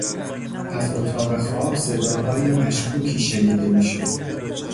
از اتاق خواب صداهای مشکوکی شنیده میشد.